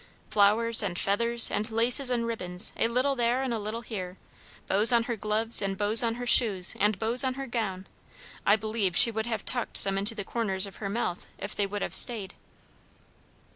Flowers, and feathers, and laces, and ribbons, a little there and a little here; bows on her gloves, and bows on her shoes, and bows on her gown. I believed she would have tucked some into the corners of her mouth, if they would have stayed."